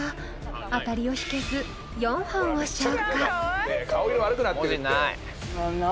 ［アタリを引けず４本を消化］